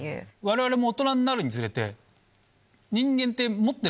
我々も大人になるにつれて。